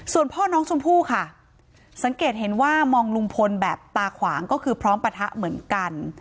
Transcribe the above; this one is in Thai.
ส่วนพ่อน้องชมพู่ค่ะสังเกตเห็นว่ามองลุงพลแบบตาขวางก็คือพร้อมปะทะเหมือนกัน